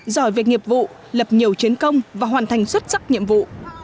giỏi việc nghiệp vụ lập nhiều chiến công và hoàn thành xuất sắc nhiệm vụ